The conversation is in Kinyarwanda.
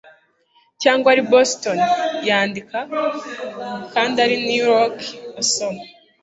cyangwa ari i boston, yandika, kandi ari i new york, asoma